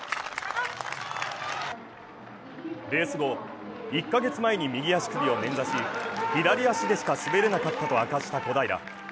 レース後、１カ月前に右足首を捻挫し左足でしか滑れなかったと明かした小平。